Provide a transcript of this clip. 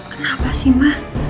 kenapa sih ma